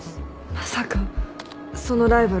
まさかそのライバルを？